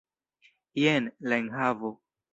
Jen la enhavo!